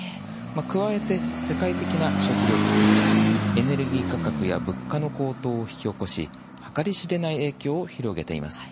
加えて、世界的な食料危機エネルギー価格や物価の高騰を引き起こし計り知れない影響を広げています。